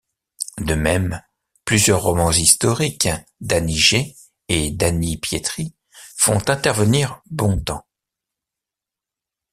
De même, plusieurs romans historiques d'Annie Jay et d'Annie Pietri font intervenir Bontemps.